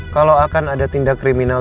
kalau akan ada tindak kriminal